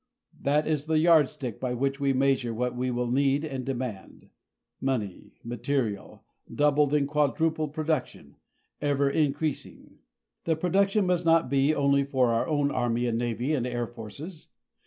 That is the yardstick by which we measure what we shall need and demand; money, materials, doubled and quadrupled production ever increasing. The production must be not only for our own Army and Navy and air forces.